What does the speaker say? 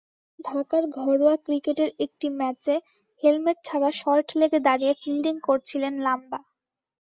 ঢাকার ঘরোয়া ক্রিকেটের একটি ম্যাচে হেলমেট ছাড়া শর্টলেগে দাঁড়িয়ে ফিল্ডিং করছিলেন লাম্বা।